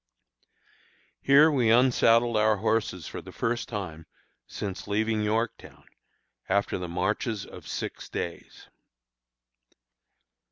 Here we unsaddled our horses for the first time since leaving Yorktown, after the marches of six days.